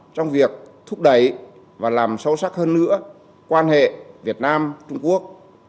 trong việc thúc đẩy và làm sâu sắc hơn nữa quan hệ việt nam trung quốc